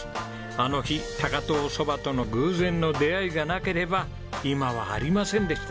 あの日高遠そばとの偶然の出会いがなければ今はありませんでした。